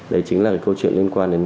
đấy chính là câu chuyện liên quan đến